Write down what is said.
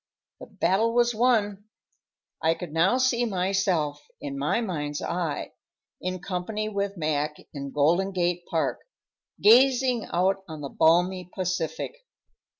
The battle was won. I could now see myself, in my mind's eye, in company with Mac in Golden Gate Park, gazing out on the balmy Pacific.